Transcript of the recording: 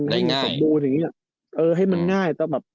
ให้มันสมบูรณ์อย่างนี้เออให้มันง่าย